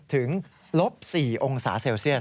ถึงลบ๔องศาเซลเซียส